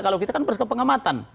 kalau kita kan bersekap pengamatan